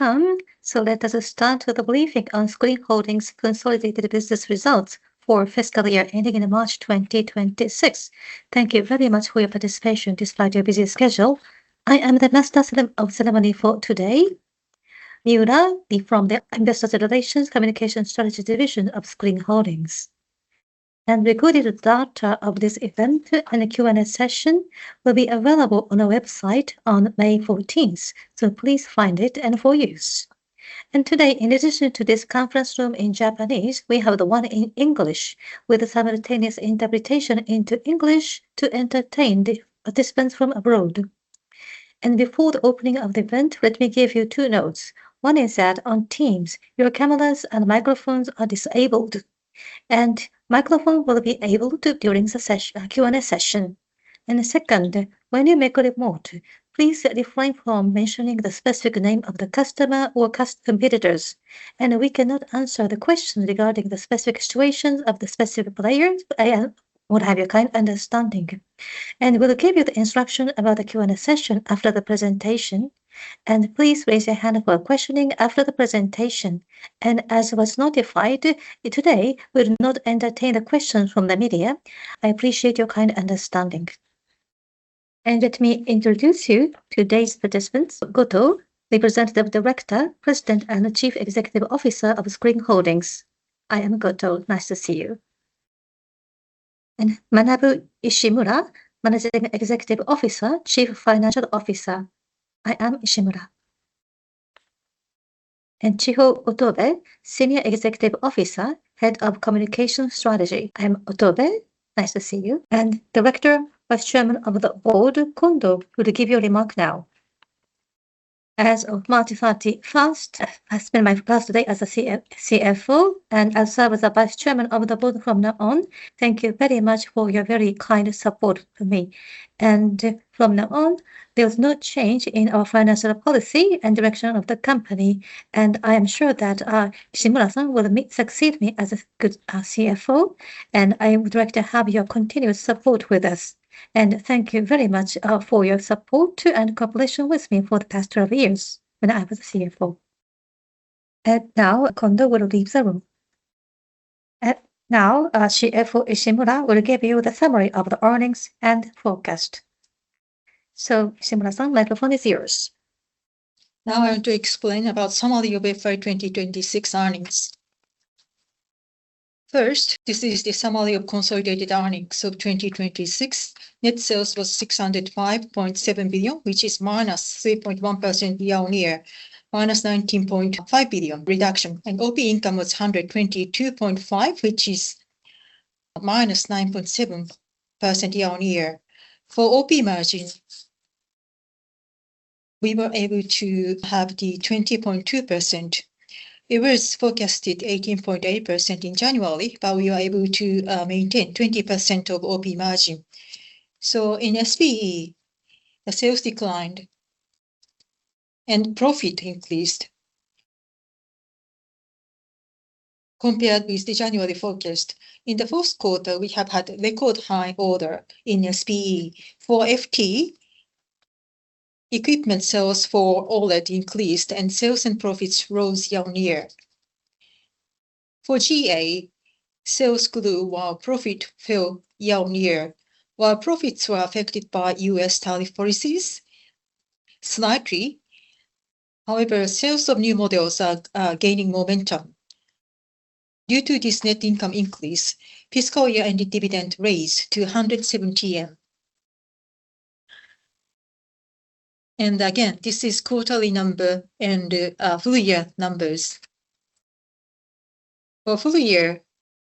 Welcome. Let us start with the briefing on SCREEN Holdings' consolidated business results for fiscal year ending in March 2026. Thank you very much for your participation despite your busy schedule. I am the master of ceremony for today, Miura from the Investor Relations, Communication Strategy Division of SCREEN Holdings. A recorded data of this event and a Q&A session will be available on our website on May 14th, please find it and for use. Today, in addition to this conference room in Japanese, we have the one in English with simultaneous interpretation into English to entertain the participants from abroad. Before the opening of the event, let me give you two notes. One is that on Teams, your cameras and microphones are disabled, and microphones will be enabled during the Q&A session. Second, when you make a remark, please refrain from mentioning the specific name of the customer or competitors. We cannot answer the question regarding the specific situations of the specific players. I would have your kind understanding. We'll give you the instruction about the Q&A session after the presentation. Please raise your hand for questioning after the presentation. As was notified, today we'll not entertain the questions from the media. I appreciate your kind understanding. Let me introduce you today's participants. Goto, Representative Director, President, and Chief Executive Officer of SCREEN Holdings. I am Goto. Nice to see you. Manabu Ishimura, Managing Executive Officer, Chief Financial Officer. I am Ishimura. Chiho Otobe, Senior Executive Officer, Head of Communication Strategy. I am Otobe. Nice to see you. Director, Vice Chairman of the Board, Kondo will give you a remark now. As of March 31st, I spent my past today as a CFO. I'll serve as the Vice Chairman of the Board from now on. Thank you very much for your very kind support for me. From now on, there's no change in our financial policy and direction of the company, and I am sure that Ishimura-san will succeed me as a good CFO, and I would like to have your continuous support with us. Thank you very much for your support and cooperation with me for the past 12 years when I was CFO. Kondo will leave the room. Now, CFO Ishimura will give you the summary of the earnings and forecast. Ishimura-san, microphone is yours. I want to explain about summary of FY 2026 earnings. This is the summary of consolidated earnings of 2026. Net sales was 605.7 billion, which is -3.1% year-on-year, -19.5 billion reduction. OP income was 122.5 billion, which is -9.7% year-on-year. For OP margin, we were able to have the 20.2%. It was forecasted 18.8% in January, we were able to maintain 20% of OP margin. In SPE, the sales declined and profit increased compared with the January forecast. In the first quarter, we have had record high order in SPE. For FT, equipment sales for OLED increased, and sales and profits rose year-on-year. For GA, sales grew while profit fell year-on-year. While profits were affected by U.S. tariff policies slightly, however, sales of new models are gaining momentum. Due to this net income increase, fiscal year-end dividend raised to 170 yen. Again, this is quarterly number and full year numbers. For full year,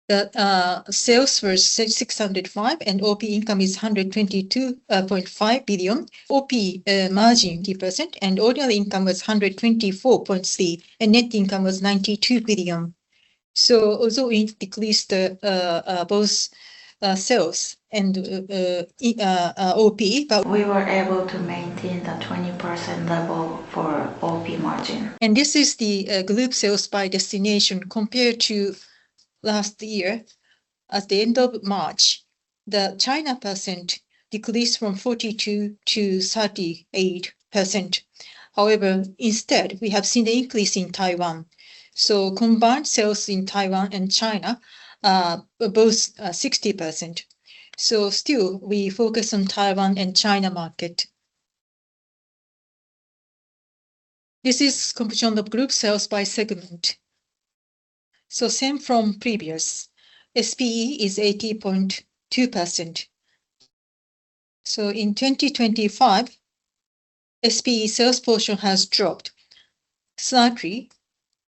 the sales were 605 and OP income is 122.5 billion, OP margin 20%, and ordinary income was 124.3, and net income was 92 billion. Although we decreased both sales and OP, but we were able to maintain the 20% level for OP margin. This is the group sales by destination. Compared to last year, at the end of March, the China percent decreased from 42%-38%. However, instead, we have seen an increase in Taiwan. Combined sales in Taiwan and China are both 60%. Still, we focus on Taiwan and China market. This is composition of group sales by segment. Same from previous. SPE is 80.2%. In 2025, SPE sales portion has dropped slightly.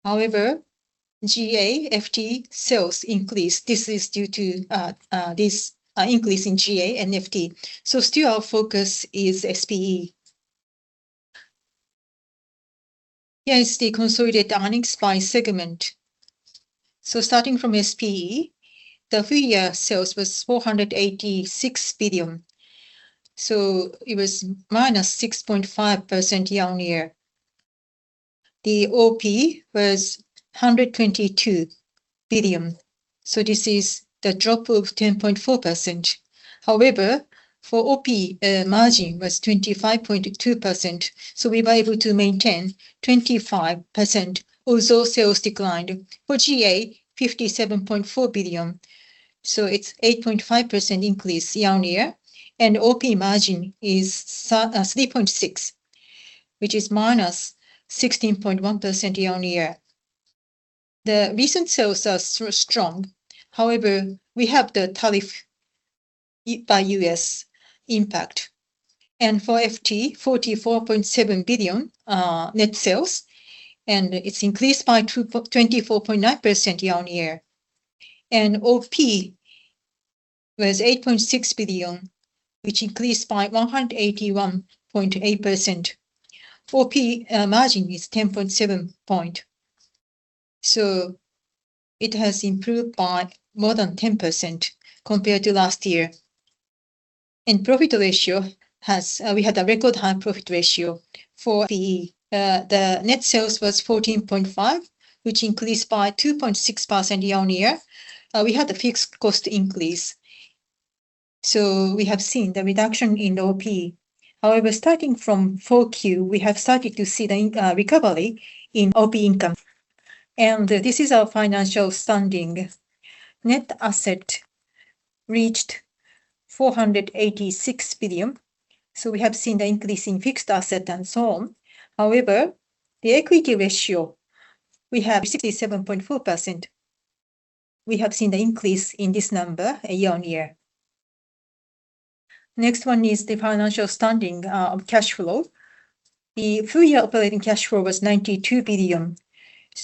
GA, FT sales increased. This is due to this increase in GA and FT. Still our focus is SPE. Here is the consolidated earnings by segment. Starting from SPE, the full year sales was 486 billion, so it was -6.5% year-on-year. The OP was 122 billion. This is the drop of 10.4%. For OP margin was 25.2%, so we were able to maintain 25% although sales declined. For GA, 57.4 billion, so it's 8.5% increase year-on-year, and OP margin is 3.6%, which is -16.1% year-on-year. The recent sales are strong, however, we have the tariff by U.S. impact. For FT, 44.7 billion net sales, it's increased by 24.9% year-on-year. OP was 8.6 billion, which increased by 181.8%. For OP, margin is 10.7%, so it has improved by more than 10% compared to last year. We had a record high profit ratio. For the net sales was 14.5%, which increased by 2.6% year-on-year. We had a fixed cost increase, so we have seen the reduction in OP. However, starting from 4Q, we have started to see the recovery in OP income. This is our financial standing. Net asset reached 486 billion, so we have seen the increase in fixed asset and so on. However, the equity ratio, we have 67.4%. We have seen the increase in this number year-over-year. Next one is the financial standing of cash flow. The full-year operating cash flow was 92 billion,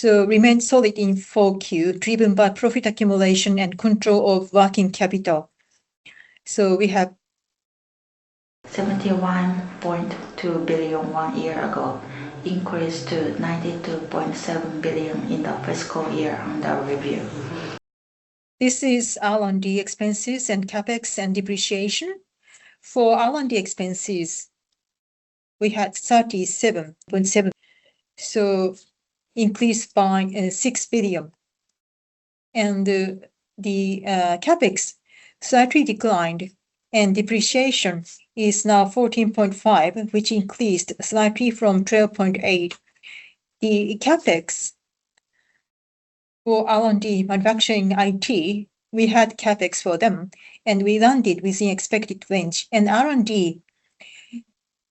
remained solid in 4Q, driven by profit accumulation and control of working capital. 71.2 billion one year ago increased to 92.7 billion in the fiscal year under review. This is R&D expenses and CapEx and depreciation. For R&D expenses, we had 37.7, increased by 6 billion. The CapEx slightly declined, and depreciation is now 14.5, which increased slightly from 12.8. The CapEx for R&D, manufacturing, IT, we had CapEx for them, and we landed within expected range. R&D,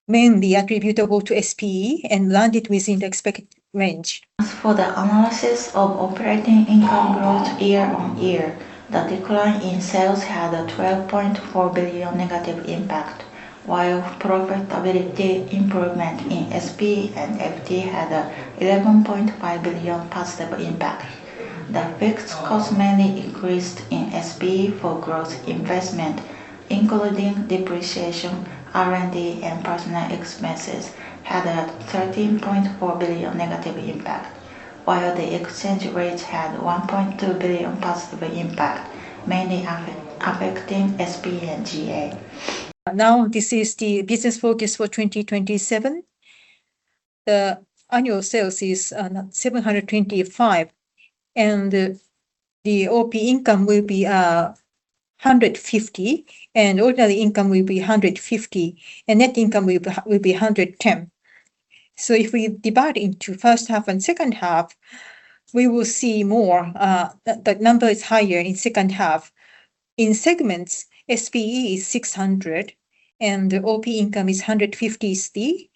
mainly attributable to SPE and landed within the expected range. As for the analysis of operating income growth year-on-year, the decline in sales had a 12.4 billion negative impact, while profitability improvement in SPE and FT had 11.5 billion positive impact. The fixed cost mainly increased in SPE for growth investment, including depreciation, R&D, and personnel expenses, had a 13.4 billion negative impact, while the exchange rates had 1.2 billion positive impact, mainly affecting SPE and GA. This is the business focus for 2027. The annual sales is 725, and the OP income will be 150, and ordinary income will be 150, and net income will be 110. If we divide into first half and second half, we will see more, the number is higher in second half. In segments, SPE is 600, and the OP income is 150 C,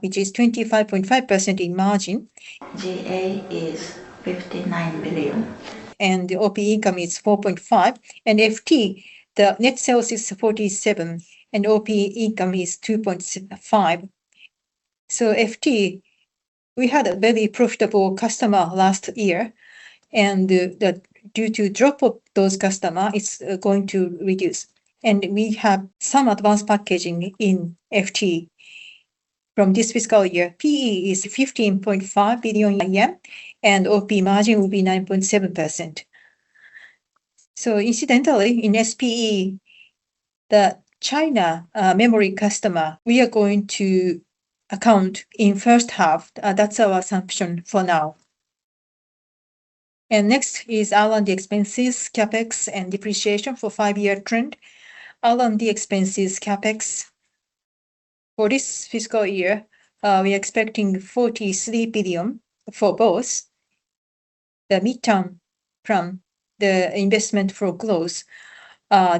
which is 25.5% in margin. GA is 59 billion. The OP income is 4.5. FT, the net sales is 47, and OP income is 2.5. FT, we had a very profitable customer last year, and due to drop of those customer, it's going to reduce. We have some advanced packaging in FT. From this fiscal year, PE is 15.5 billion yen, and OP margin will be 9.7%. Incidentally, in SPE, the China memory customer, we are going to account in first half. That's our assumption for now. Next is R&D expenses, CapEx, and depreciation for five-year trend. R&D expenses, CapEx, for this fiscal year, we're expecting 43 billion for both. The midterm from the investment for growth,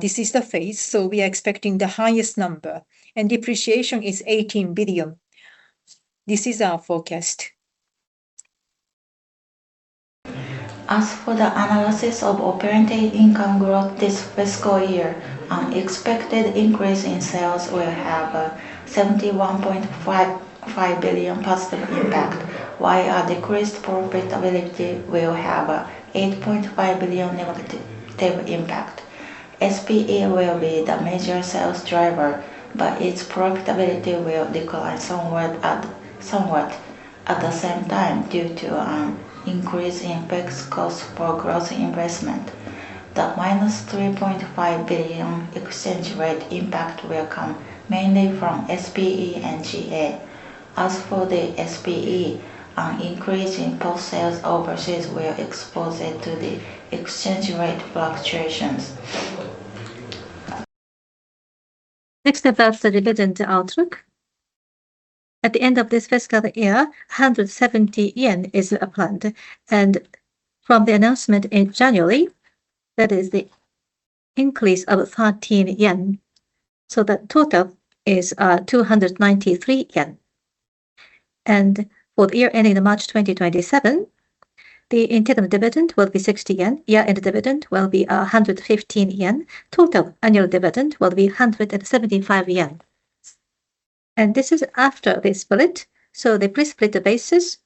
this is the phase, so we are expecting the highest number. Depreciation is 18 billion. This is our forecast. As for the analysis of operating income growth this fiscal year, expected increase in sales will have a 71.5 billion positive impact, while a decreased profitability will have a 8.5 billion negative impact. SPE will be the major sales driver, but its profitability will decline somewhat at the same time due to increase in fixed cost for growth investment. The minus 3.5 billion exchange rate impact will come mainly from SPE and GA. As for the SPE, our increase in post-sales overseas will expose it to the exchange rate fluctuations. Next, about the dividend outlook. At the end of this fiscal year, 170 yen is planned. From the announcement in January, that is the increase of 13 yen. The total is 293 yen. For the year ending March 2027, the interim dividend will be 60 yen, year-end dividend will be 115 yen. Total annual dividend will be 175 yen. This is after the split. The pre-split basis,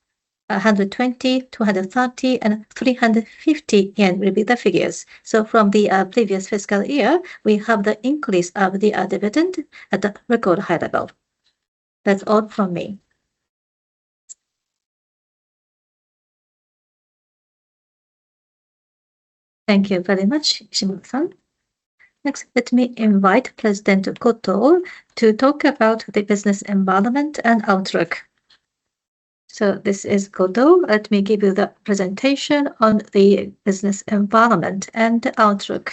120, 230, and 350 yen will be the figures. From the previous fiscal year, we have the increase of the dividend at a record high level. That's all from me. Thank you very much, Ishimura-san. Next, let me invite President Goto to talk about the business environment and outlook. This is Goto. Let me give you the presentation on the business environment and outlook.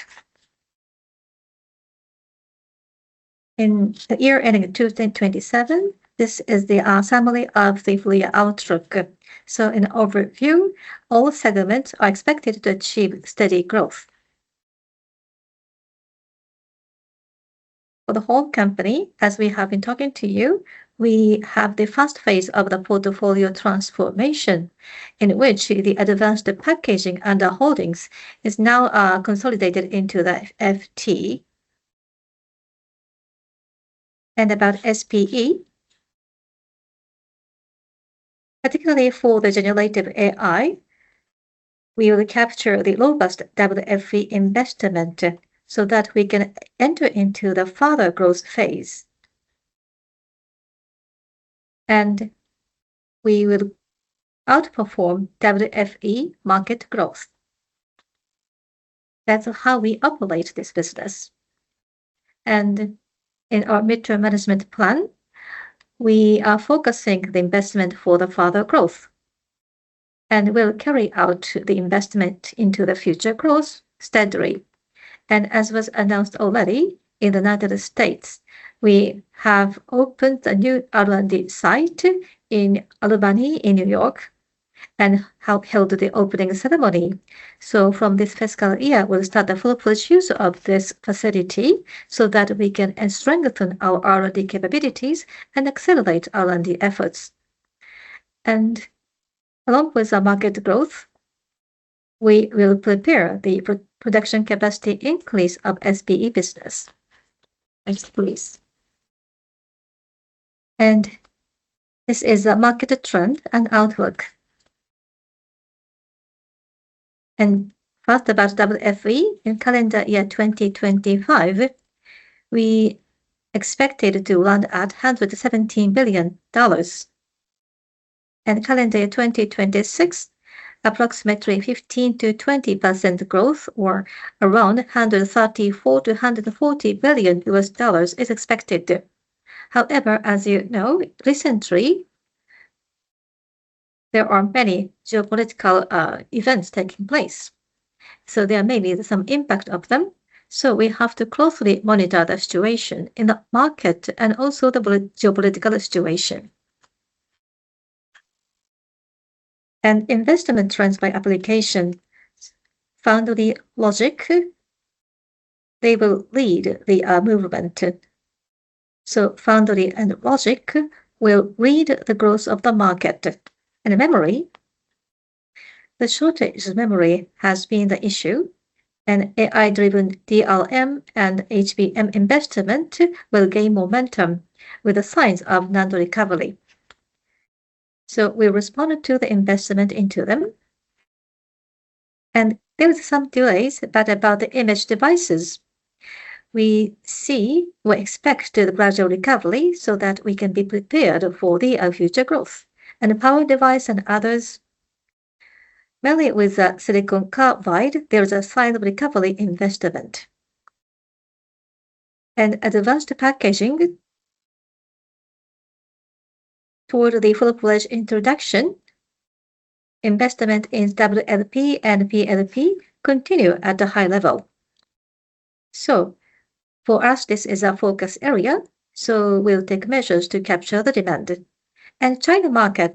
In the year ending 2027, this is the summary of the full year outlook. In overview, all segments are expected to achieve steady growth. For the whole company, as we have been talking to you, we have the first phase of the portfolio transformation in which the advanced packaging and the holdings is now consolidated into the FT. About SPE, particularly for the generative AI, we will capture the robust WFE investment so that we can enter into the further growth phase. We will outperform WFE market growth. That's how we operate this business. In our midterm management plan, we are focusing the investment for the further growth, and we'll carry out the investment into the future growth steadily. As was announced already, in the United States., we have opened a new R&D site in Albany in New York, and held the opening ceremony. From this fiscal year, we'll start the full produce of this facility so that we can strengthen our R&D capabilities and accelerate R&D efforts. Along with the market growth, we will prepare the production capacity increase of SPE business. Next, please. This is a market trend and outlook. First, about WFE, in calendar year 2025, we expected to land at $117 billion. In calendar year 2026, approximately 15%-20% growth or around $134 billion-$140 billion is expected. As you know, recently, there are many geopolitical events taking place, so there may be some impact of them, so we have to closely monitor the situation in the market and also the geopolitical situation. Investment trends by application. Foundry, logic, they will lead the movement. Foundry and logic will lead the growth of the market. In memory, the shortage of memory has been the issue, and AI driven DRAM and HBM investment will gain momentum with the signs of NAND recovery. We responded to the investment into them. There is some delays, but about the image devices, we see, we expect the gradual recovery so that we can be prepared for the future growth. Power device and others, mainly with the silicon carbide, there is a sign of recovery investment. Advanced packaging, toward the full-fledged introduction, investment in WLP and PLP continue at a high level. For us, this is our focus area, so we'll take measures to capture the demand. China market,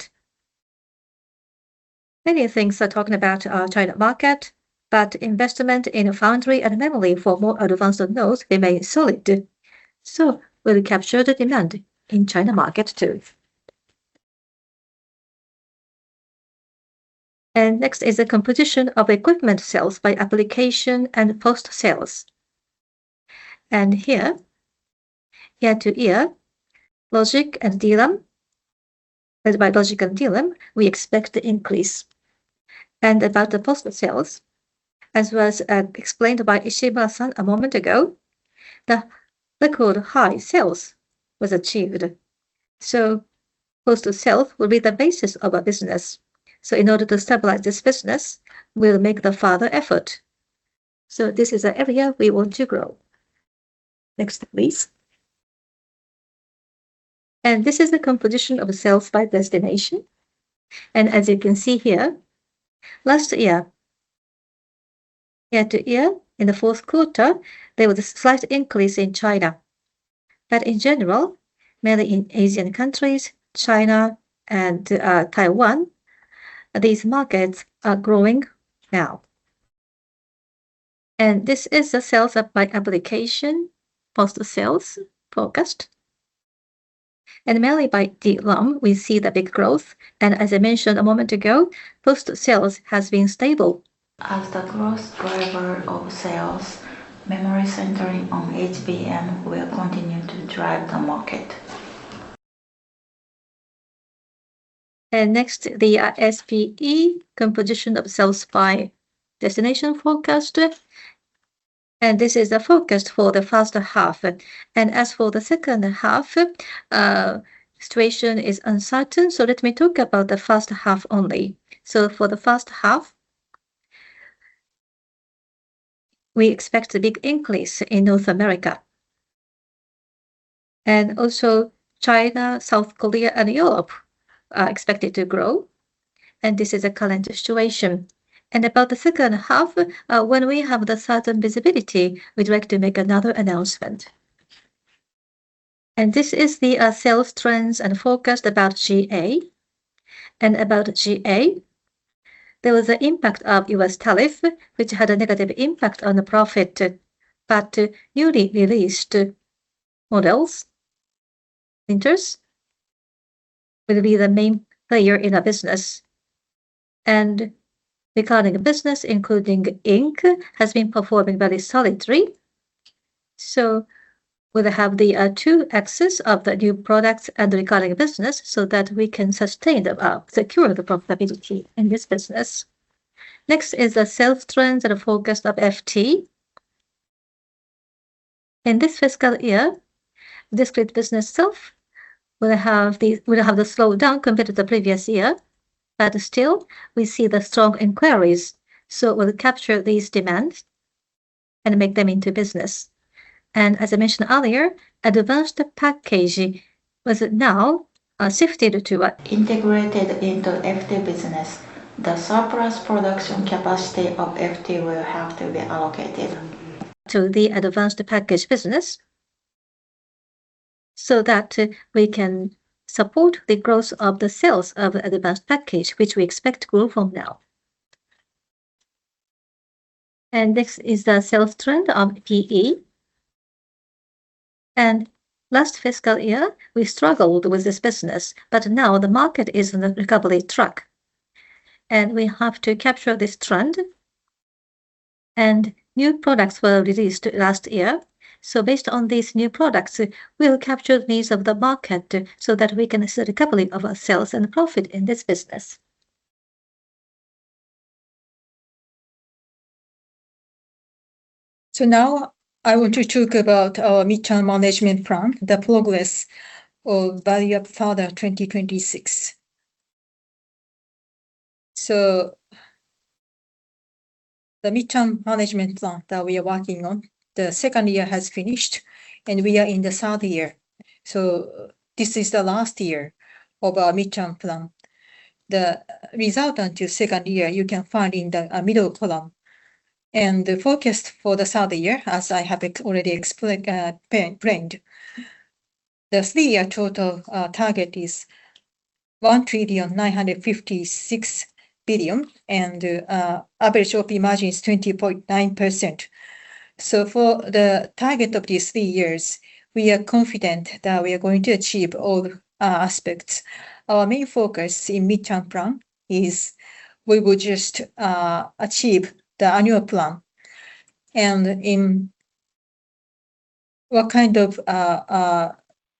many things are talking about our China market, but investment in foundry and memory for more advanced nodes remain solid. We'll capture the demand in China market too. Next is the composition of equipment sales by application and post sales. Here, year-to-year, logic and DRAM, led by logic and DRAM, we expect increase. About the post sales, as was explained by Ishimura-san a moment ago, the record high sales was achieved. Post sales will be the basis of our business. In order to stabilize this business, we'll make the further effort. This is an area we want to grow. Next, please. This is the composition of sales by destination. As you can see here, last year-to-year, in the fourth quarter, there was a slight increase in China. In general, mainly in Asian countries, China and Taiwan, these markets are growing now. This is the sales by application, post sales forecast. Mainly by DRAM, we see the big growth. As I mentioned a moment ago, post sales has been stable. As the growth driver of sales, memory centering on HBM will continue to drive the market. Next, the SPE composition of sales by destination forecast. This is the forecast for the first half. As for the second half, situation is uncertain, so let me talk about the first half only. For the first half, we expect a big increase in North America. Also China, South Korea, and Europe are expected to grow, and this is the current situation. About the second half, when we have the certain visibility, we'd like to make another announcement. This is the sales trends and forecast about GA. About GA, there was an impact of U.S. tariff, which had a negative impact on the profit, but newly released models, printers, will be the main player in our business. Recurring business, including ink, has been performing very solidly. We have the two axis of the new products and recurring business so that we can sustain the secure the profitability in this business. Next is the sales trends and the forecast of FT. In this fiscal year, discrete business itself will have the slowdown compared to the previous year, but still we see the strong inquiries, so we'll capture these demands and make them into business. As I mentioned earlier, advanced package was now shifted to integrated into FT business. The surplus production capacity of FT will have to be allocated to the advanced package business so that we can support the growth of the sales of advanced package, which we expect growth from now. Next is the sales trend of PE. Last fiscal year, we struggled with this business, but now the market is on the recovery track, and we have to capture this trend. New products were released last year, so based on these new products, we'll capture needs of the market so that we can see recovery of our sales and profit in this business. Now I want to talk about our midterm management plan, the progress of Value Up Further 2026. The midterm management plan that we are working on, the second year has finished, and we are in the third year. This is the last year of our midterm plan. The result until second year, you can find in the middle column. The forecast for the third year, as I have already pre-planned. The three-year total target is 1,956 billion and average OP margin is 20.9%. For the target of these three years, we are confident that we are going to achieve all aspects. Our main focus in midterm plan is we will just achieve the annual plan and in what kind of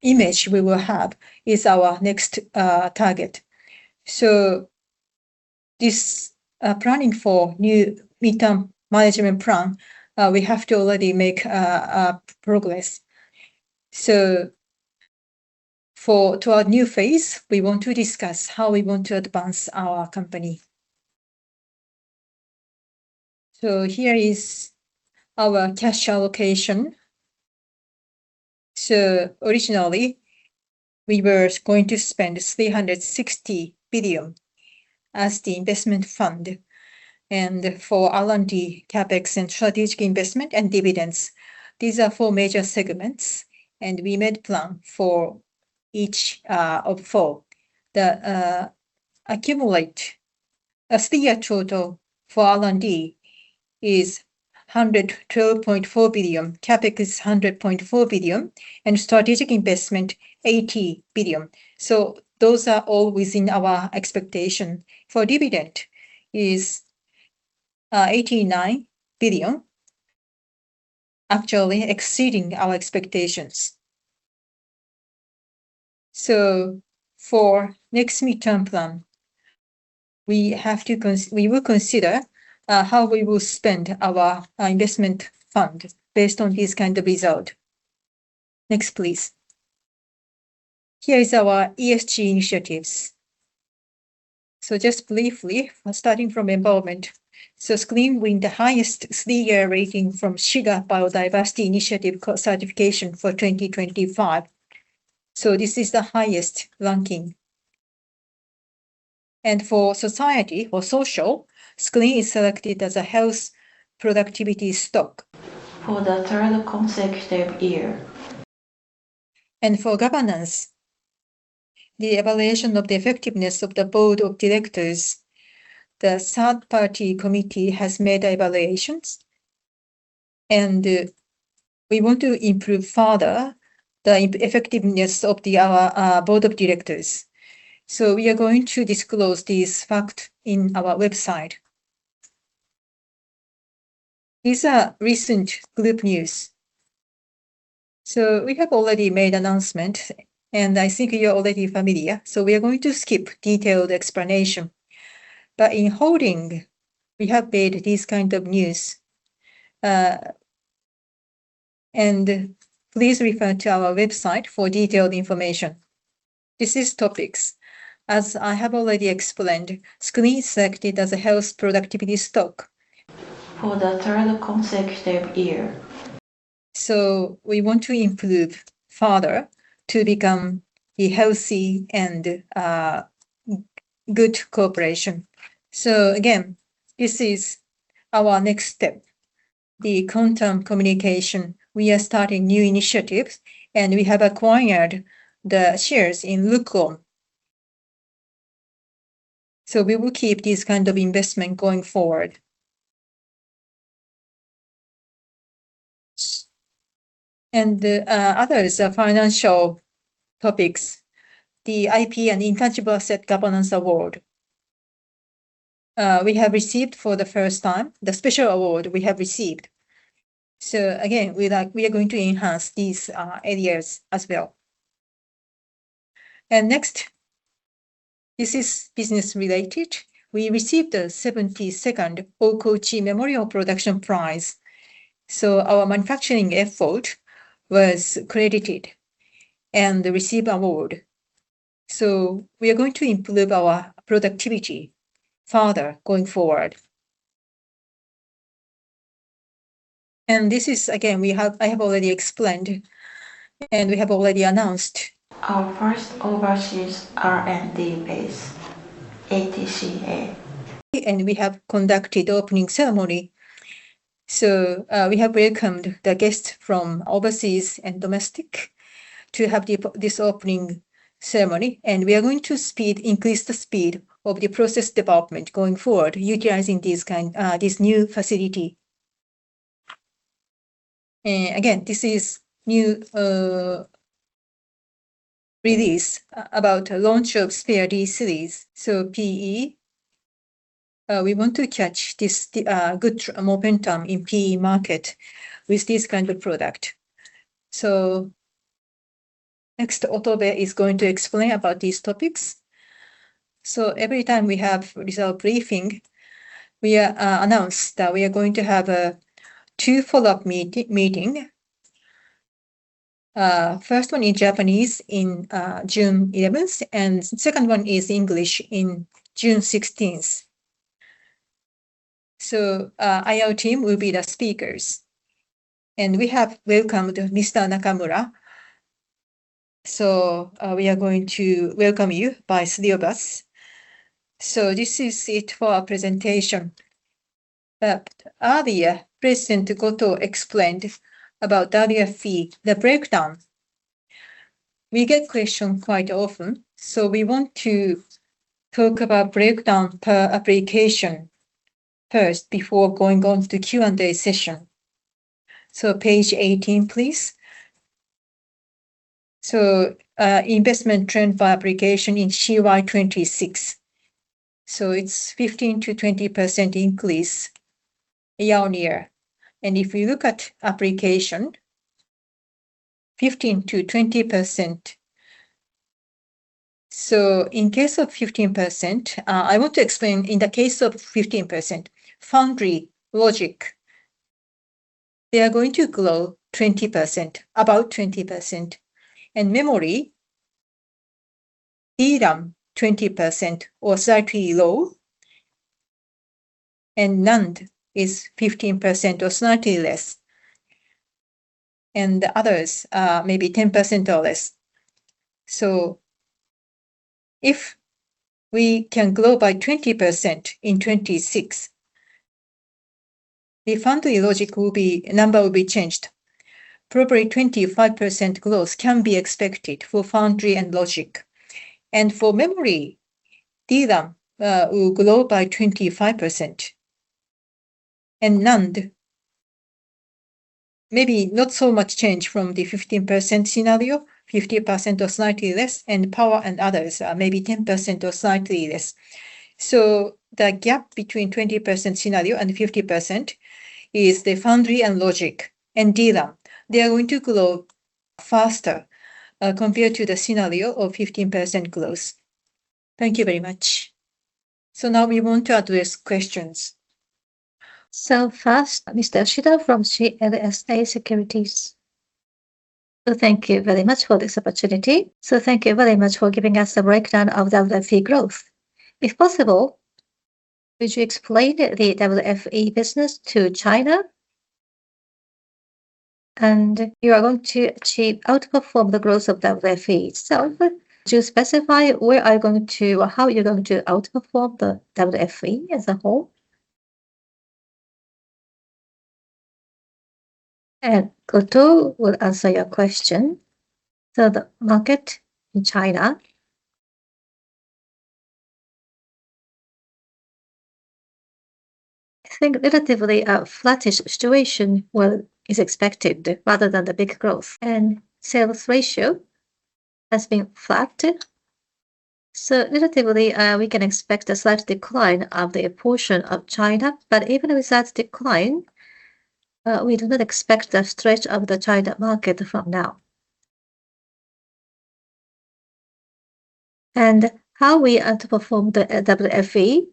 image we will have is our next target. This planning for new midterm management plan, we have to already make progress. Toward new phase, we want to discuss how we want to advance our company. Here is our cash allocation. Originally, we were going to spend 360 billion as the investment fund for R&D, CapEx, strategic investment, and dividends. These are four major segments, and we made plan for each of four. The accumulate, as the total for R&D is 112.4 billion, CapEx is 100.4 billion, and strategic investment, 80 billion. Those are all within our expectation. For dividend is JPY 89 billion, actually exceeding our expectations. For next midterm plan, we will consider how we will spend our investment fund based on this kind of result. Next, please. Here is our ESG initiatives. Just briefly, starting from involvement. SCREEN won the highest three-year rating from Shiga Biodiversity Initiative Certification for 2025. This is the highest ranking. For society or social, SCREEN is selected as a Health and Productivity Stock for the third consecutive year. For governance, the evaluation of the effectiveness of the board of directors, the third-party committee has made evaluations, and we want to improve further the effectiveness of our board of directors. We are going to disclose this fact in our website. These are recent group news. We have already made announcement, and I think you're already familiar, we are going to skip detailed explanation. In SCREEN Holdings, we have made this kind of news. Please refer to our website for detailed information. This is topics. As I have already explained, SCREEN selected as a Health and Productivity Stock Selection for the third consecutive year. We want to improve further to become a healthy and good cooperation. Again, this is our next step, the content communication. We are starting new initiatives, and we have acquired the shares in LQUOM. We will keep this kind of investment going forward. Others, the financial topics, the Intellectual Property and Intangible Asset Governance Awards, we have received for the first time, the special award we have received. Again, we are going to enhance these areas as well. Next, this is business related. We received a 72nd Okochi Memorial Production Prize. Our manufacturing effort was credited and receive award. We are going to improve our productivity further going forward. This is again, I have already explained, and we have already announced our first overseas R&D base, ATCA. We have conducted opening ceremony. We have welcomed the guests from overseas and domestic to have this opening ceremony, and we are going to increase the speed of the process development going forward, utilizing this kind, this new facility. Again, this is new release about launch of Sphere D series. PE, we want to catch this good momentum in PE market with this kind of product. Next, Otobe is going to explain about these topics. Every time we have result briefing, we announce that we are going to have a two follow-up meeting. First one in Japanese in June 11th, and second one is English in June 16th. IR team will be the speakers. We have welcomed Mr. Nakamura. We are going to welcome you by three of us. This is it for our presentation. Earlier, President Goto explained about WFE, the breakdown. We get question quite often, we want to talk about breakdown per application first before going on to Q&A session. Page 18, please. Investment trend for application in CY 26. It's 15%-20% increase year-on-year. If you look at application, 15%-20%. In case of 15%, I want to explain in the case of 15%, foundry logic, they are going to grow 20%. In memory, DRAM, 20% or slightly low, NAND is 15% or slightly less. The others are maybe 10% or less. If we can grow by 20% in 2026, the foundry logic number will be changed. Probably 25% growth can be expected for foundry and logic. For memory, DRAM will grow by 25%. NAND, maybe not so much change from the 15% scenario, 50% or slightly less, and power and others are maybe 10% or slightly less. The gap between 20% scenario and 50% is the foundry and logic and DRAM. They are going to grow faster, compared to the scenario of 15% growth. Thank you very much. Now we want to address questions. First, Mr. Yoshida from CLSA Securities. Thank you very much for this opportunity. Thank you very much for giving us the breakdown of the WFE growth. If possible, could you explain the WFE business to China? You are going to achieve, outperform the growth of WFE itself. Could you specify where are you going to, or how are you going to outperform the WFE as a whole? Goto will answer your question. The market in China. I think relatively a flattish situation, well, is expected rather than the big growth. Sales ratio has been flattened, so relatively, we can expect a slight decline of the portion of China. Even with that decline, we do not expect a stretch of the China market from now. How we are to perform the WFE,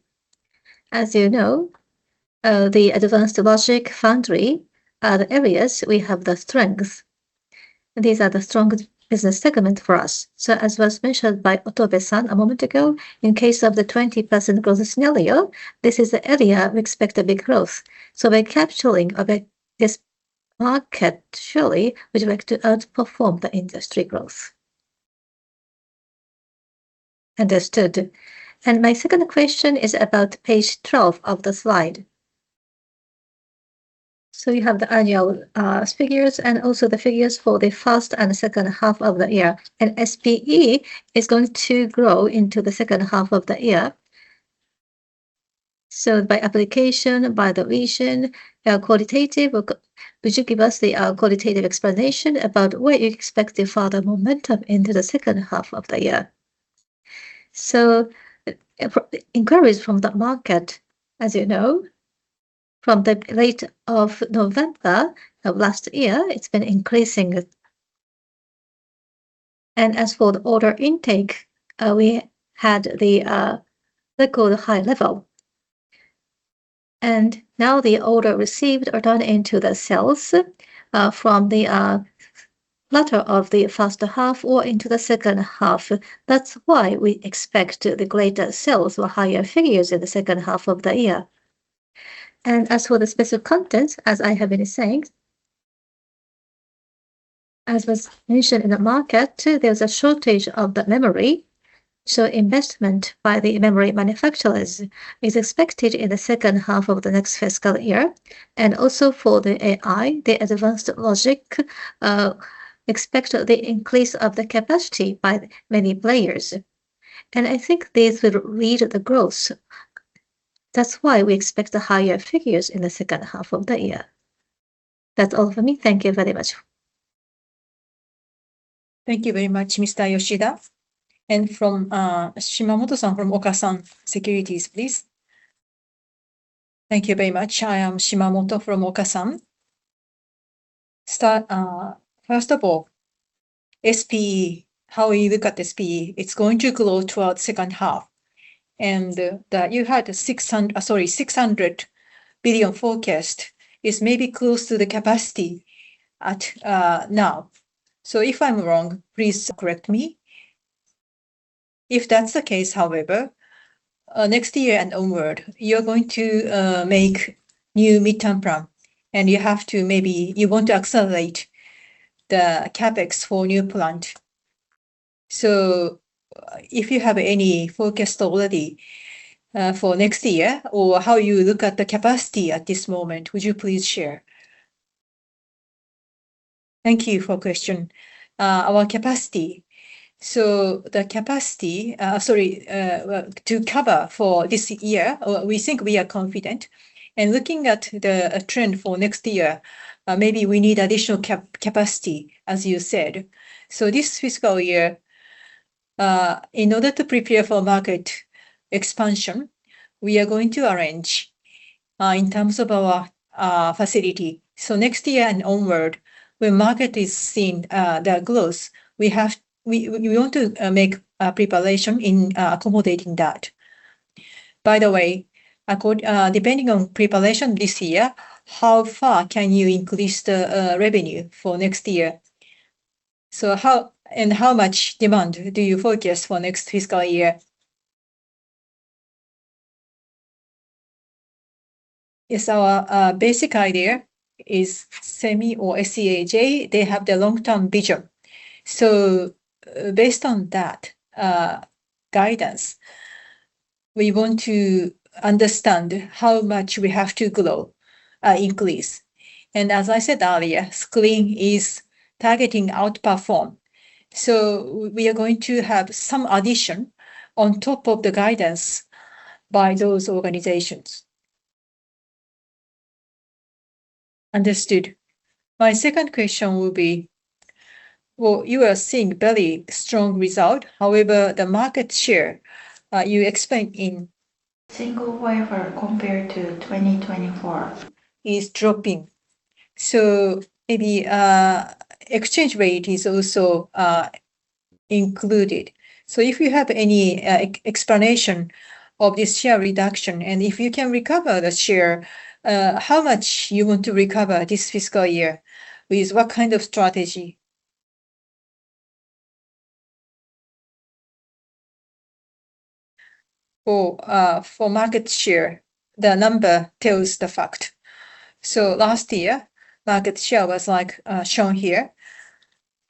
as you know, the advanced logic foundry are the areas we have the strength. These are the strong business segment for us. As was mentioned by Otobe-san a moment ago, in case of the 20% growth scenario, this is the area we expect a big growth. We're capturing of this market share, which we expect to outperform the industry growth. Understood. My second question is about page 12 of the slide. You have the annual figures and also the figures for the first and second half of the year, and SPE is going to grow into the second half of the year. By application, by division, qualitative, would you give us the qualitative explanation about where you expect the further momentum into the second half of the year? As for the order intake, we had the record high level. Now the order received are done into the sales, from the latter of the first half or into the second half. That's why we expect the greater sales or higher figures in the second half of the year. As for the specific contents, as I have been saying, as was mentioned in the market, there's a shortage of the memory, so investment by the memory manufacturers is expected in the second half of the next fiscal year. Also for the AI, the advanced logic, expect the increase of the capacity by many players. I think this will lead the growth. That's why we expect higher figures in the second half of the year. That's all for me. Thank you very much. Thank you very much, Mr. Yoshida. From Shimamoto-san from Okasan Securities, please. Thank you very much. I am Shimamoto from Okasan. Start, first of all, SPE, how you look at SPE, it's going to grow throughout second half, and that you had sorry, 600 billion forecast is maybe close to the capacity at now. If I'm wrong, please correct me. If that's the case, however, next year and onward, you're going to make new midterm plan, and you have to maybe, you want to accelerate the CapEx for new plant. If you have any forecast already, for next year or how you look at the capacity at this moment, would you please share? Thank you for the question. Our capacity, so the capacity, sorry, well, to cover for this year, we think we are confident. Looking at the trend for next year, maybe we need additional capacity, as you said. This fiscal year, in order to prepare for market expansion, we are going to arrange in terms of our facility. Next year and onward, when market is seeing the growth, we want to make preparation in accommodating that. Depending on preparation this year, how far can you increase the revenue for next year? How and how much demand do you forecast for next fiscal year? Yes, our basic idea is SEMI or SEAJ, they have the long-term vision. Based on that guidance, we want to understand how much we have to grow, increase. As I said earlier, SCREEN is targeting outperform. We are going to have some addition on top of the guidance by those organizations. Understood. My second question will be, well, you are seeing very strong result, however, the market share, you expect in single wafer compared to 2024 is dropping. Maybe, exchange rate is also included. If you have any explanation of this share reduction, and if you can recover the share, how much you want to recover this fiscal year, with what kind of strategy? For market share, the number tells the fact. Last year, market share was like shown here.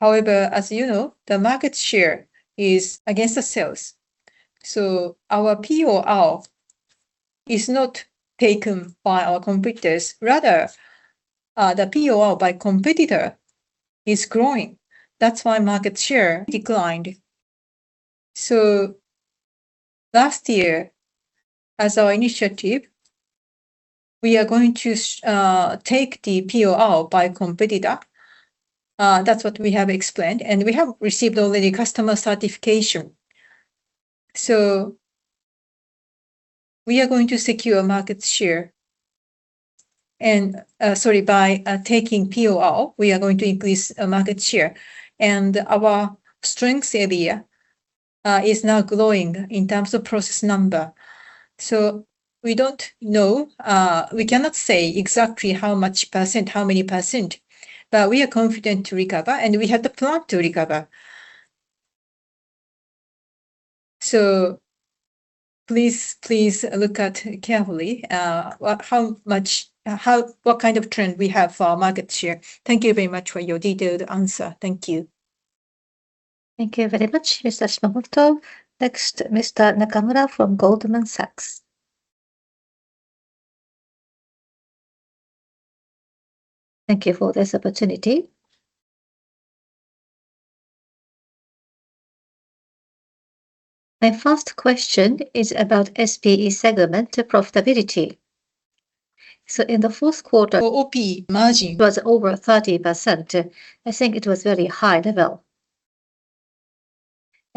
However, as you know, the market share is against the sales. Our POR is not taken by our competitors. Rather, the POR by competitor is growing. That's why market share declined. Last year, as our initiative, we are going to take the POR by competitor. That's what we have explained, and we have received already customer certification. We are going to secure market share. Sorry, by taking POR, we are going to increase market share. Our strength area is now growing in terms of process number. We don't know, we cannot say exactly how much %, how many %, but we are confident to recover, and we have the plan to recover. Please look at carefully what, how much, how, what kind of trend we have for our market share. Thank you very much for your detailed answer. Thank you. Thank you very much, Mr. Shimamoto. Next, Mr. Nakamura from Goldman Sachs. Thank you for this opportunity. My first question is about SPE segment profitability. In the fourth quarter, OP margin was over 30%. I think it was very high level.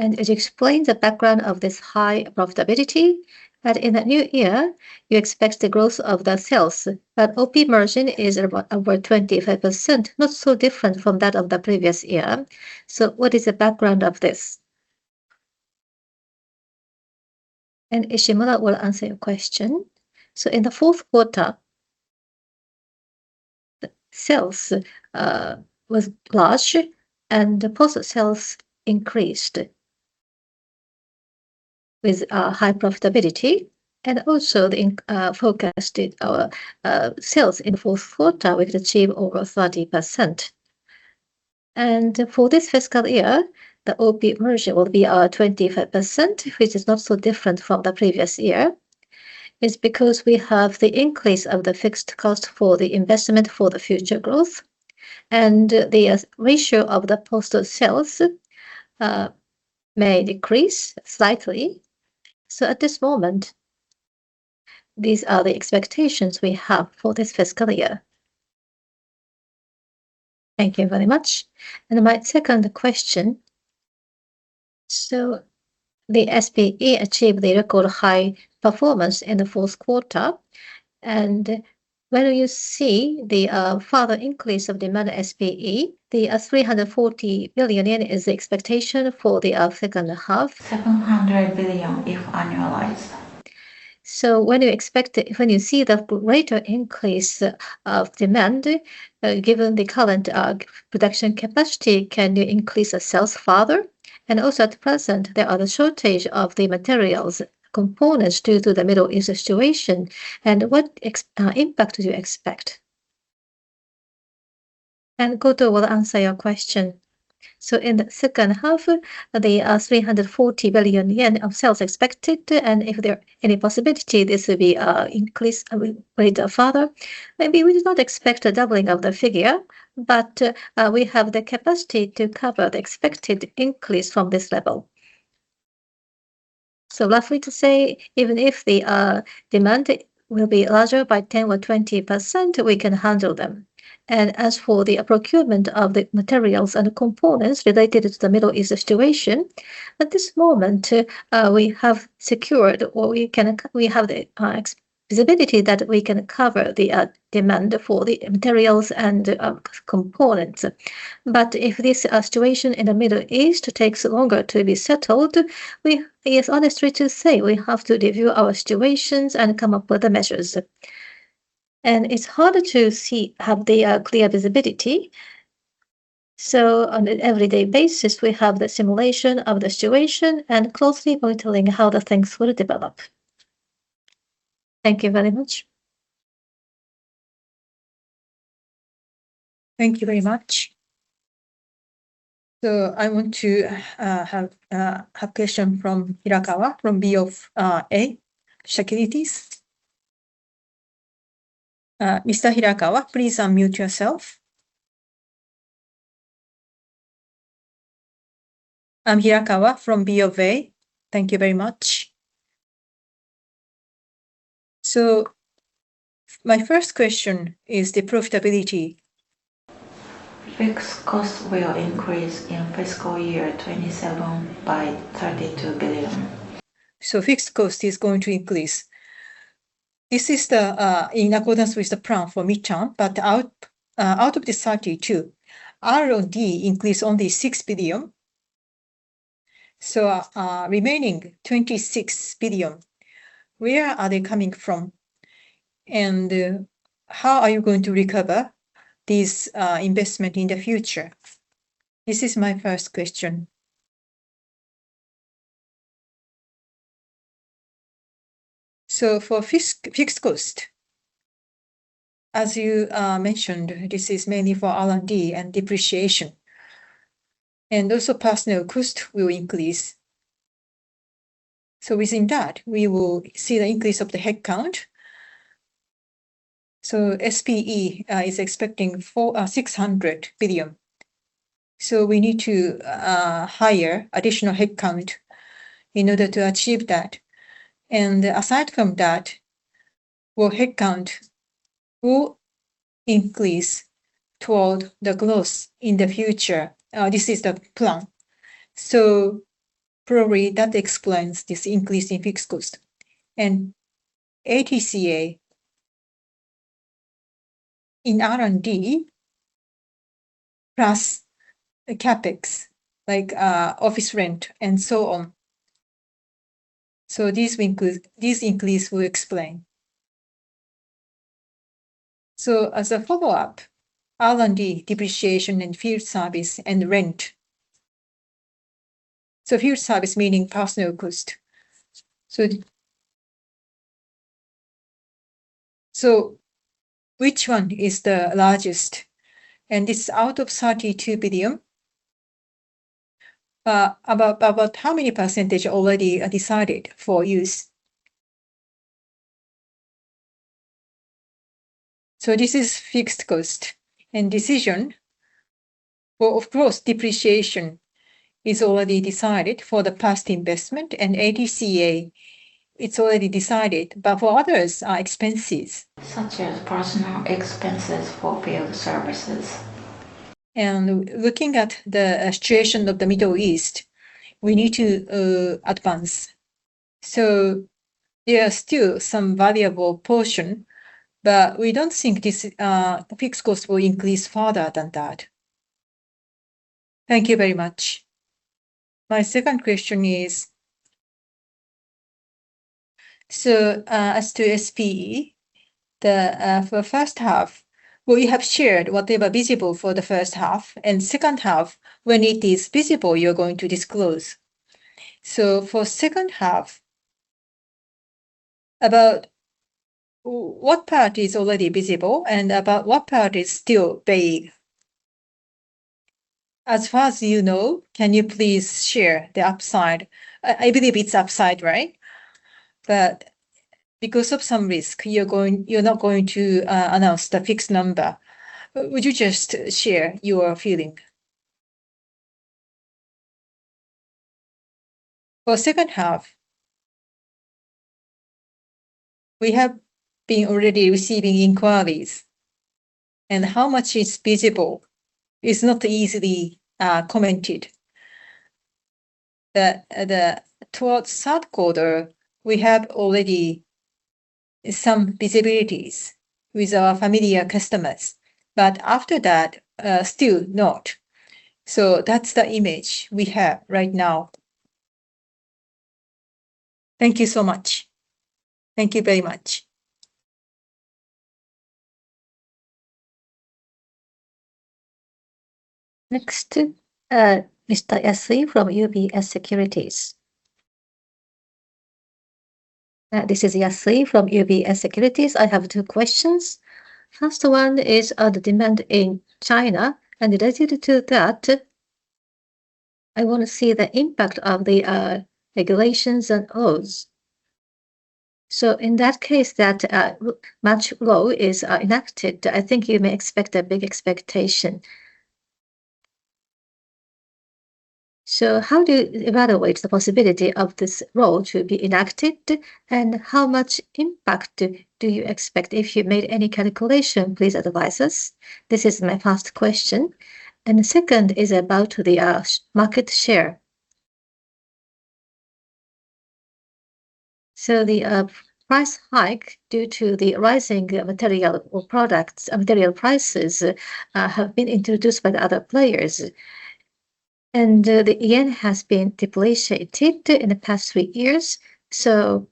As you explained the background of this high profitability, that in the new year you expect the growth of the sales, but OP margin is about over 25%, not so different from that of the previous year. What is the background of this? Ishimura will answer your question. In the fourth quarter, sales was large and deposit sales increased with high profitability. The forecasted sales in fourth quarter, we could achieve over 30%. For this fiscal year, the OP margin will be 25%, which is not so different from the previous year. It's because we have the increase of the fixed cost for the investment for the future growth and the ratio of the posted sales may decrease slightly. At this moment, these are the expectations we have for this fiscal year. Thank you very much. My second question. The SPE achieved a record high performance in the fourth quarter. Whether you see the further increase of demand SPE, the 340 billion yen is the expectation for the second half. 700 billion if annualized. When you expect, when you see the greater increase of demand, given the current production capacity, can you increase the sales further? Also at present, there are the shortage of the materials components due to the Middle East situation. What impact do you expect? Goto will answer your question. In the second half, there are 340 billion yen of sales expected, and if there any possibility this will be increased further. Maybe we do not expect a doubling of the figure, we have the capacity to cover the expected increase from this level. Roughly to say, even if the demand will be larger by 10% or 20%, we can handle them. As for the procurement of the materials and components related to the Middle East situation, at this moment, we have secured, or we have the visibility that we can cover the demand for the materials and components. If this situation in the Middle East takes longer to be settled, it's honestly to say we have to review our situations and come up with the measures. It's harder to see, have the clear visibility. On an everyday basis, we have the simulation of the situation and closely monitoring how the things will develop. Thank you very much. Thank you very much. I want to have question from Hirakawa from BofA Securities. Mr. Hirakawa, please unmute yourself. I'm Hirakawa from BofA. Thank you very much. My first question is the profitability. Fixed cost will increase in fiscal year 2027 by JPY 32 billion. Fixed cost is going to increase. This is in accordance with the plan for mid-term, out of the 32 billion, R&D increase only 6 billion. Remaining 26 billion, where are they coming from? How are you going to recover this investment in the future? This is my first question. For fixed cost, as you mentioned, this is mainly for R&D and depreciation, also personnel cost will increase. Within that, we will see the increase of the headcount. SPE is expecting 600 billion. We need to hire additional headcount in order to achieve that. Aside from that, our headcount will increase toward the growth in the future. This is the plan. Probably that explains this increase in fixed cost. ATCA in R&D plus the CapEx, like, office rent and so on. These increase will explain. As a follow-up, R&D depreciation and field service and rent. Field service meaning personnel cost. Which one is the largest? This out of 32 billion, about how many % already are decided for use? This is fixed cost and decision. Well, of course, depreciation is already decided for the past investment and ATCA, it's already decided, but for others are expenses such as personal expenses for field services. Looking at the situation of the Middle East, we need to advance. There are still some valuable portion, but we don't think this fixed cost will increase further than that. Thank you very much. My second question is as to SPE, for first half, we have shared whatever visible for the first half, and second half, when it is visible, you're going to disclose. For second half, about what part is already visible and about what part is still vague? As far as you know, can you please share the upside? I believe it's upside, right? Because of some risk, you're not going to announce the fixed number. Would you just share your feeling? For second half, we have been already receiving inquiries, and how much is visible is not easily commented. Towards third quarter, we have already some visibilities with our familiar customers. After that, still not. That's the image we have right now. Thank you so much. Thank you very much. Next, Mr. Yasui from UBS Securities. This is Yasui from UBS Securities. I have two questions. First one is on the demand in China, and related to that, I want to see the impact of the regulations and laws. In that case, that much law is enacted, I think you may expect a big expectation. How do you evaluate the possibility of this law to be enacted, and how much impact do you expect? If you made any calculation, please advise us. This is my first question. The second is about the market share. The price hike due to the rising material products, material prices, have been introduced by the other players. The yen has been depreciated in the past three years, so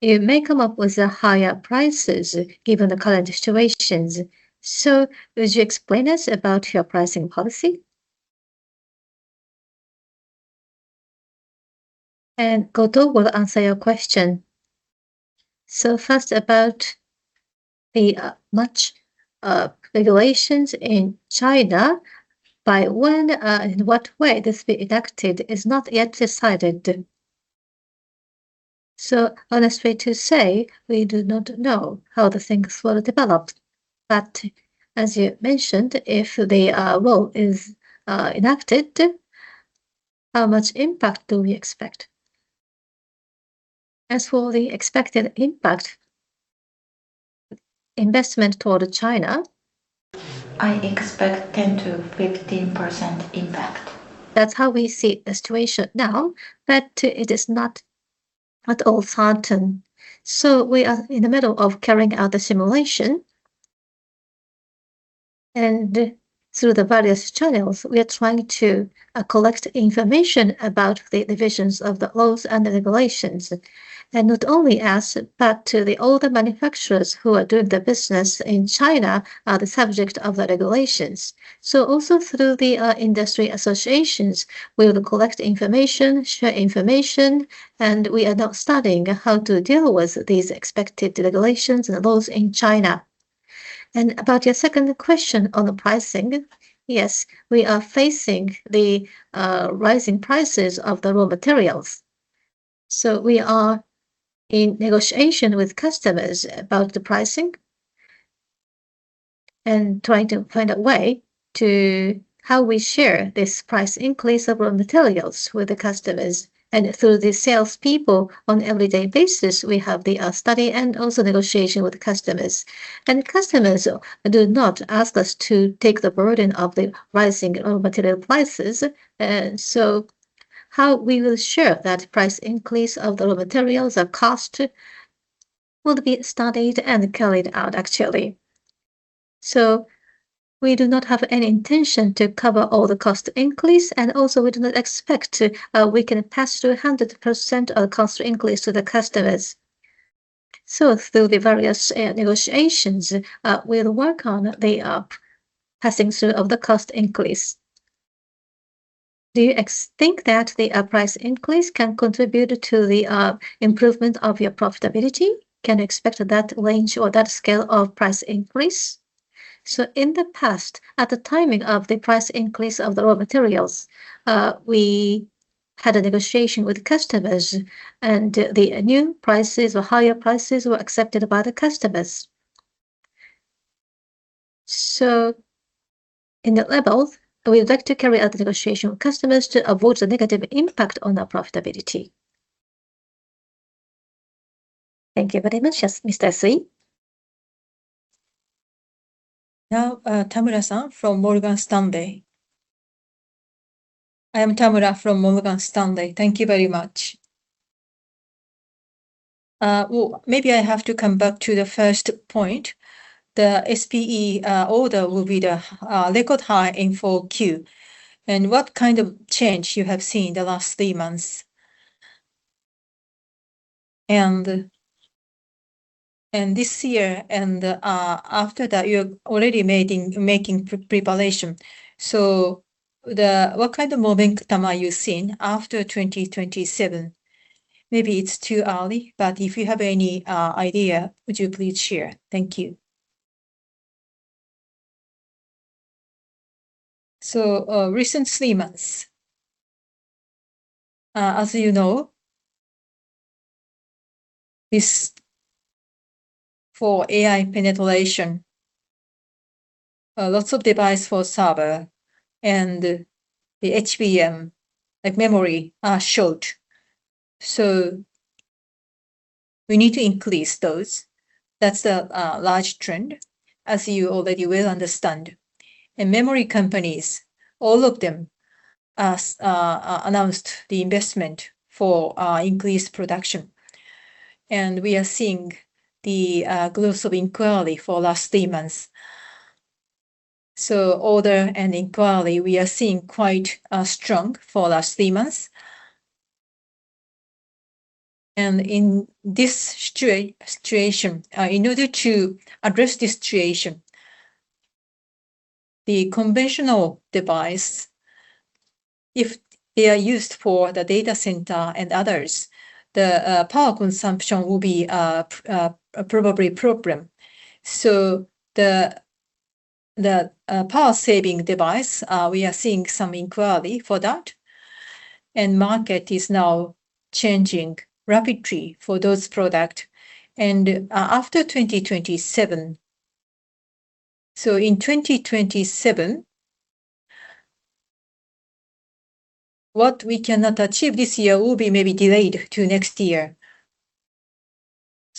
you may come up with higher prices given the current situations. Would you explain us about your pricing policy? Goto will answer your question. First about the much regulations in China. By when, in what way this be enacted is not yet decided. Honestly to say, we do not know how the things will develop. As you mentioned, if the law is enacted, how much impact do we expect? As for the expected impact, investment toward China, I expect 10%-15% impact. That's how we see the situation now, but it is not at all certain. We are in the middle of carrying out the simulation. Through the various channels, we are trying to collect information about the divisions of the laws and the regulations. Not only us, but to all the manufacturers who are doing the business in China are the subject of the regulations. Also through the industry associations, we will collect information, share information, and we are now studying how to deal with these expected regulations and laws in China. About your second question on the pricing, yes, we are facing the rising prices of the raw materials. We are in negotiation with customers about the pricing and trying to find a way to how we share this price increase of raw materials with the customers. Through the salespeople on everyday basis, we have the study and also negotiation with customers. Customers do not ask us to take the burden of the rising raw material prices. How we will share that price increase of the raw materials, the cost, will be studied and carried out actually. We do not have any intention to cover all the cost increase, and also we do not expect we can pass through 100% of cost increase to the customers. Through the various negotiations, we'll work on the passing through of the cost increase. Do you think that the price increase can contribute to the improvement of your profitability? Can you expect that range or that scale of price increase? In the past, at the timing of the price increase of the raw materials, we had a negotiation with customers, and the new prices or higher prices were accepted by the customers. In that level, we would like to carry out the negotiation with customers to avoid the negative impact on our profitability. Thank you very much, yes, Mr. Yasui. Tamura-san from Morgan Stanley. I am Tamura from Morgan Stanley. Thank you very much. Well, maybe I have to come back to the first point. The SPE order will be the record high in 4Q. What kind of change you have seen the last three months? This year and after that, you're already making pre-preparation. What kind of moving time are you seeing after 2027? Maybe it's too early, but if you have any idea, would you please share? Thank you. Recent three months, as you know, this for AI penetration, lots of device for server and the HBM, like memory, are short. We need to increase those. That's the large trend as you already well understand. Memory companies, all of them, has announced the investment for increased production. We are seeing the growth of inquiry for last three months. Order and inquiry, we are seeing quite strong for last three months. In this situation, in order to address this situation, the conventional device, if they are used for the data center and others, the power consumption will be probably a problem. The power saving device, we are seeing some inquiry for that, and market is now changing rapidly for those product. After 2027, in 2027, what we cannot achieve this year will be maybe delayed to next year.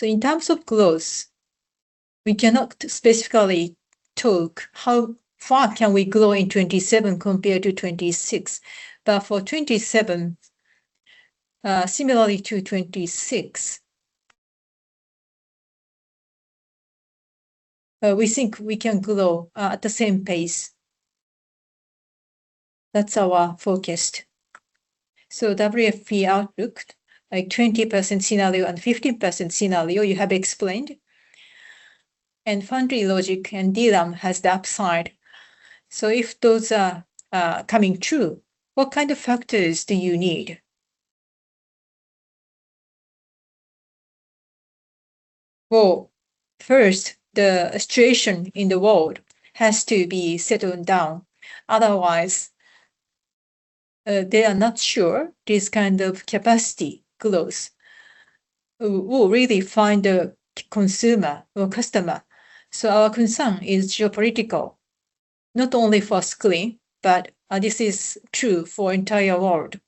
In terms of growth, we cannot specifically talk how far can we grow in 2027 compared to 2026. For 2027, similarly to 2026, we think we can grow at the same pace. That's our forecast. WFE outlook, like 20% scenario and 15% scenario you have explained, and foundry logic and DRAM has the upside. If those are coming true, what kind of factors do you need? Well, first, the situation in the world has to be settled down. Otherwise, they are not sure this kind of capacity growth will really find a consumer or customer. Our concern is geopolitical. Not only for SCREEN, but this is true for entire world.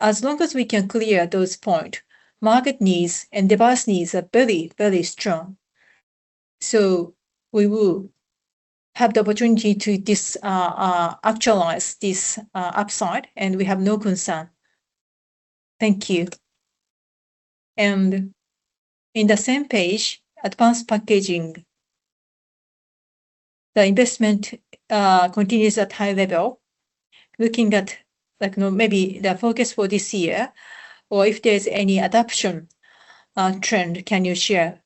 As long as we can clear those point, market needs and device needs are very, very strong. We will have the opportunity to actualize this upside, and we have no concern. Thank you. In the same page, advanced packaging. The investment continues at high level. Looking at, like, you know, maybe the focus for this year or if there's any adoption trend can you share?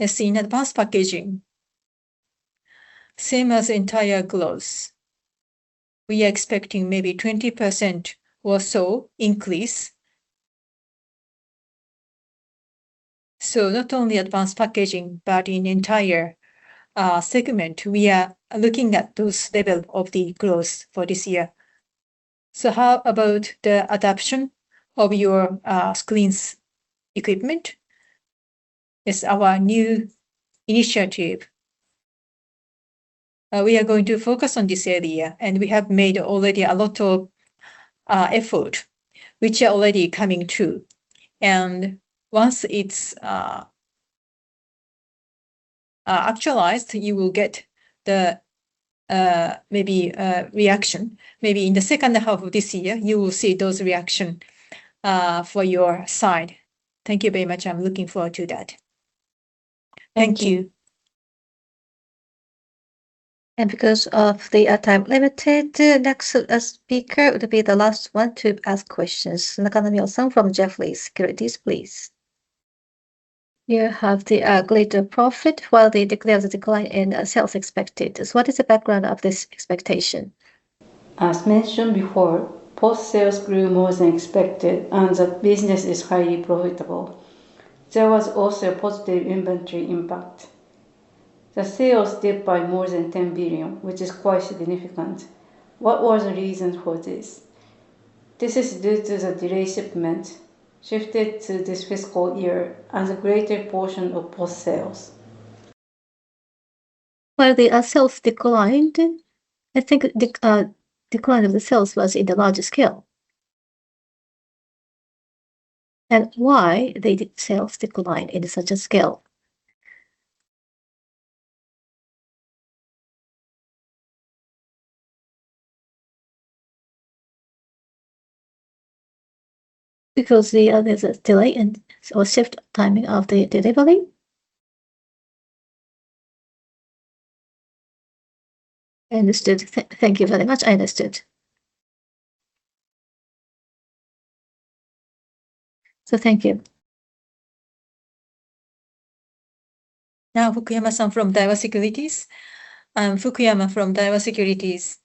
Let's see. In advanced packaging, same as entire growth. We are expecting maybe 20% or so increase. Not only advanced packaging, but in entire segment, we are looking at those level of the growth for this year. How about the adoption of your SCREEN's equipment? It's our new initiative. We are going to focus on this area. We have made already a lot of effort, which are already coming through. Once it's actualized, you will get the maybe reaction. Maybe in the second half of this year, you will see those reaction for your side. Thank you very much. I'm looking forward to that. Thank you. Because of the time-limited, the next speaker would be the last one to ask questions. Nakanomyo-san from Jefferies, please. You have the greater profit while they declare the decline in sales expected. What is the background of this expectation? As mentioned before, post sales grew more than expected, and the business is highly profitable. There was also a positive inventory impact. The sales did by more than 10 billion, which is quite significant. What was the reason for this? This is due to the delay shipment shifted to this fiscal year and the greater portion of post sales. While the sales declined, I think decline of the sales was in the larger scale. Why the sales decline in such a scale? Because there's a delay in or shift timing of the delivery. Understood. Thank you very much. I understood. Thank you. Now, Fukuyama-san from Daiwa Securities. Fukuyama from Daiwa Securities.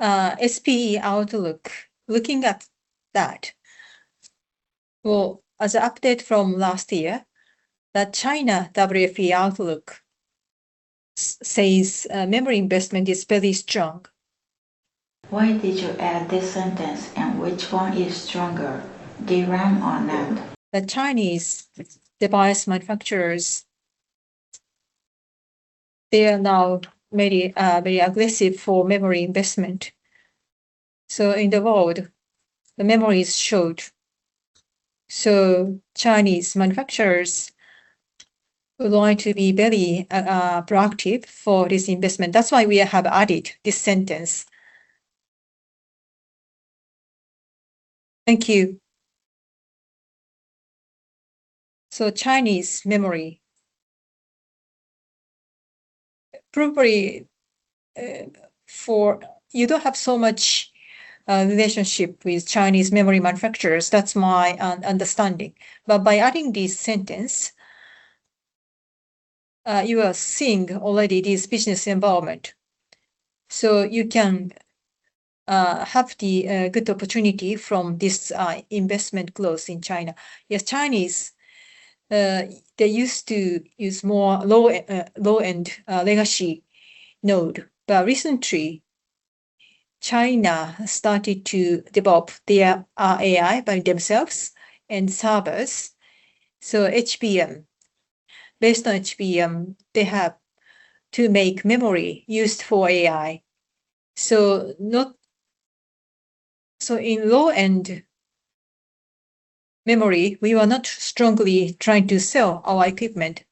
SPE outlook, looking at that. Well, as an update from last year, the China WFE outlook says memory investment is very strong. Why did you add this sentence and which one is stronger, DRAM or NAND? The Chinese device manufacturers, they are now very, very aggressive for memory investment. In the world, the memory is short. Chinese manufacturers are going to be very proactive for this investment. That's why we have added this sentence. Thank you. Chinese memory. Probably, you don't have so much relationship with Chinese memory manufacturers. That's my understanding. By adding this sentence, you are seeing already this business involvement. You can have the good opportunity from this investment growth in China. Yes, Chinese, they used to use more low, low-end, legacy node. Recently, China started to develop their AI by themselves and servers. HBM. Based on HBM, they have to make memory used for AI. In low-end memory, we were not strongly trying to sell our equipment.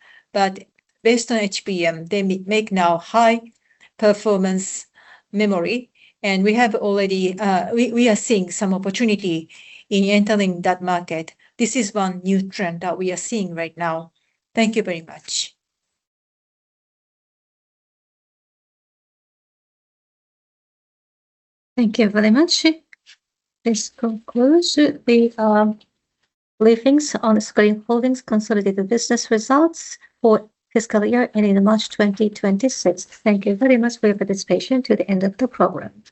Based on HBM, they make now high performance memory, and we have already, we are seeing some opportunity in entering that market. This is one new trend that we are seeing right now. Thank you very much. Thank you very much. This concludes the briefings on SCREEN Holdings consolidated business results for fiscal year ending March 2026. Thank you very much for your participation to the end of the program.